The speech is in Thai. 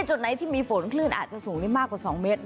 จุดไหนที่มีฝนคลื่นอาจจะสูงได้มากกว่า๒เมตร